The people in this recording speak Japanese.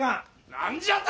何じゃと！？